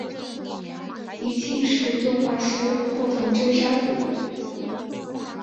其妻是动画师后藤真砂子。